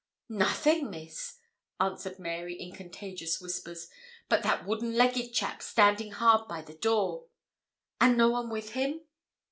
'Nothing, Miss,' answered Mary, in contagious whispers, 'but that wooden legged chap, standin' hard by the door.' 'And no one with him?'